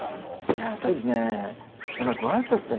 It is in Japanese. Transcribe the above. いや私ねやっぱご挨拶だけは。